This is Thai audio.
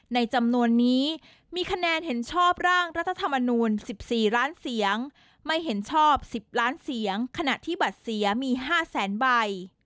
ในจำนวนนี้มีคะแนนเห็นชอบร่างรัฐธรรมนูล๑๔ล้านเสียงไม่เห็นชอบ๑๐ล้านเสียงขณะที่บัตรเสียมี๕แสนใบ